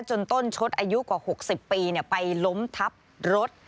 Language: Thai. ต้นชดอายุกว่า๖๐ปีไปล้มทับรถ